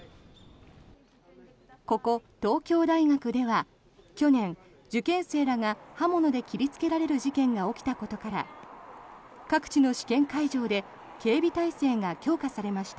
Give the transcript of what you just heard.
ここ、東京大学では去年、受験生らが刃物で切りつけられる事件が起きたことから各地の試験会場で警備態勢が強化されました。